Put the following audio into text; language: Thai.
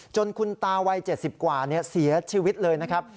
คุณตาวัย๗๐กว่าเสียชีวิตเลยนะครับ